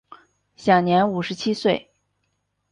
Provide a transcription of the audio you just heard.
享年五十七岁。